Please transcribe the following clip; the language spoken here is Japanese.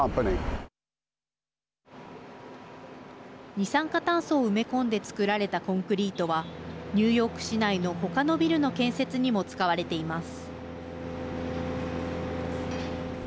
二酸化炭素を埋め込んで作られたコンクリートはニューヨーク市内の他のビルの建設にも使われています。